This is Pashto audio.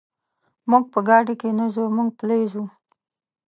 موږ په ګاډي کې نه ځو، موږ پلي ځو.